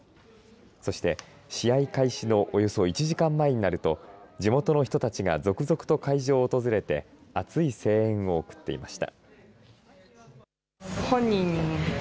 そして試合開始のおよそ１時間前になると地元の人たちが続々と会場を訪れて熱い声援を送っていました。